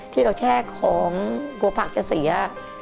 ที่เราแช่ของกลัวผักจะเสีย